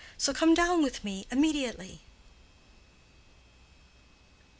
So come down with me immediately."